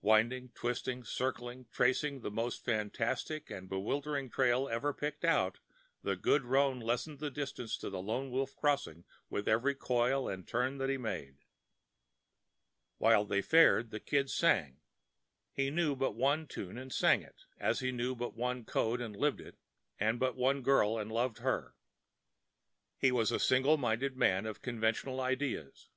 Winding, twisting, circling, tracing the most fantastic and bewildering trail ever picked out, the good roan lessened the distance to the Lone Wolf Crossing with every coil and turn that he made. While they fared the Kid sang. He knew but one tune and sang it, as he knew but one code and lived it, and but one girl and loved her. He was a single minded man of conventional ideas.